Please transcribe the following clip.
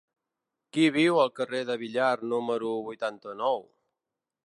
Qui viu al carrer de Villar número vuitanta-nou?